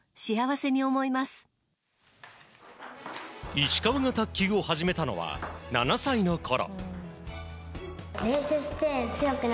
石川が卓球を始めたのは７歳のころ。